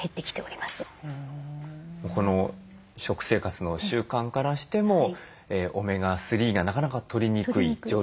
この食生活の習慣からしてもオメガ３がなかなかとりにくい状況にあると？